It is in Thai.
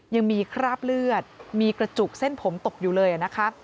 ยังมีคราบเลือดมีกระจุกเส้นผมตกอยู่เลยนะคะ